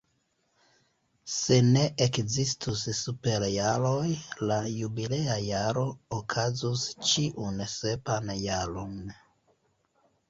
Se ne ekzistus superjaroj, la jubilea jaro okazus ĉiun sepan jaron.